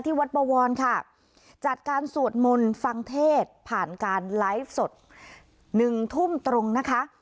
วัดบวรค่ะจัดการสวดมนต์ฟังเทศผ่านการไลฟ์สดหนึ่งทุ่มตรงนะคะ